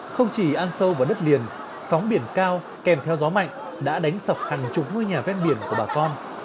không chỉ ăn sâu vào đất liền sóng biển cao kèm theo gió mạnh đã đánh sập hàng chục ngôi nhà ven biển của bà con